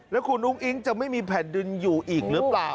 แล้วคุณอุ้งอิ๊งจะไม่มีแผ่นดินอยู่อีกหรือเปล่า